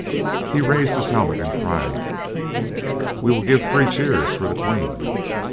He raised his helmet and cried, "We will give three cheers for the Queen!"